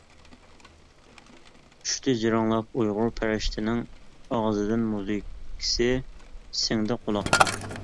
چۈشتى جىرىڭلاپ ئۇيغۇر پەرىشتىنىڭ ئاغزىدىن مۇزىكىسى سىڭدى قۇلاققا.